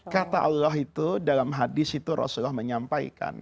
kata allah itu dalam hadis itu rasulullah menyampaikan